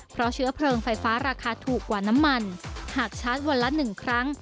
เพราะเชื้อเพลิงไฟฟ้าราคาถูกกว่าน้ำมันหากชาร์จวันละ๑ครั้ง